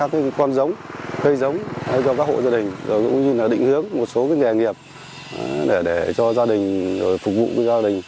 và cũng như là định hướng một số nghề nghiệp để cho gia đình phục vụ gia đình